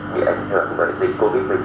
bị ảnh hưởng với dịch covid một mươi chín